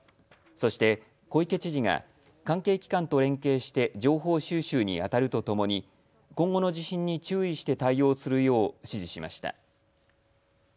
そして小池知事が関係機関と連携して情報収集にあたるとともに今後の地震に注意して対応するよう指示しました。